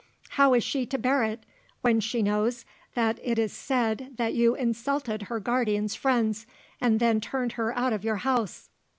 How is she to bear it when she knows that it is said that you insulted her guardian's friends and then turned her out of your house?"